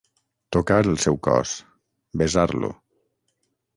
Tocar el seu cos. Besar-lo...